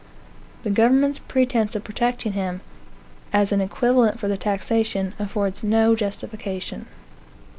The government's pretence of protecting him, as an equivalent for the taxation, affords no justification.